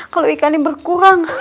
kalo ikan yang berkurang